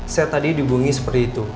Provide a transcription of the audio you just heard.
saya tadi dihubungi seperti itu